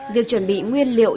việc chuẩn bị nguyên liệu